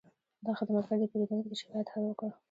دا خدمتګر د پیرودونکي د شکایت حل وکړ.